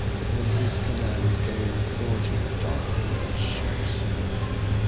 In his command came forty dark ribb'd ships.